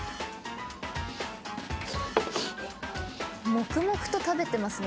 黙々と食べてますね。